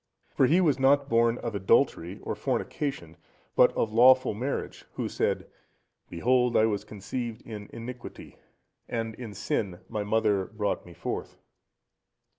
For he was not born of adultery or fornication, but of lawful marriage, who said, "Behold I was conceived in iniquity, and in sin my mother brought me forth."